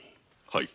はい。